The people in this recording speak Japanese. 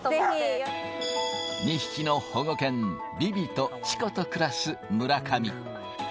２匹の保護犬、ヴィヴィとチコと暮らす村上。